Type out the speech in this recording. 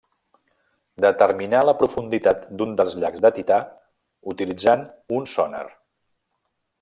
Determinar la profunditat d'un dels llacs de Tità, utilitzant un sonar.